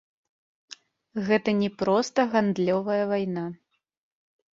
Гэта не проста гандлёвая вайна.